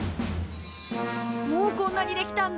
もうこんなにできたんだ！